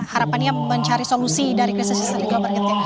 harapannya mencari solusi dari crisis historical market ya